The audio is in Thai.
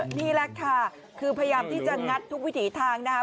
นี่แหละค่ะคือพยายามที่จะงัดทุกวิถีทางนะครับ